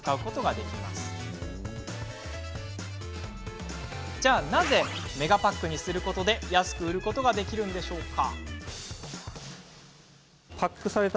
でもなぜメガパックにすることで安く売ることができるのでしょうか。